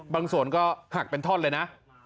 บางส่วนก็หักเป็นท่อนเลยนะ